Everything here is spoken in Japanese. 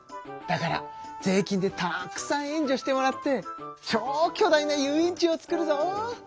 だから税金でたくさん援助してもらって超巨大な遊園地を作るぞ！